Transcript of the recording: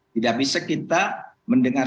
tidak bisa kita mendengar